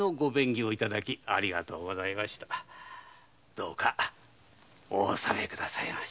どうかお納め下さいまし。